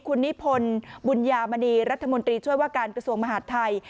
คุณนิพนธ์บุญญามณีรัฐมนตรีช่วยว่าการกระทรวงมหาดไทย